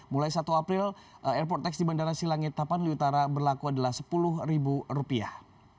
mulai satu april airport tax di bandara silangit tapanli utara berlaku adalah sepuluh ribu rupiah